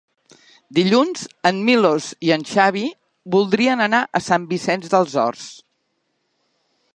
Dilluns en Milos i en Xavi voldrien anar a Sant Vicenç dels Horts.